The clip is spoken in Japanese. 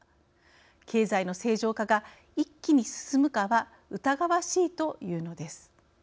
経済の正常化が一気に進むかは疑わしいというのです。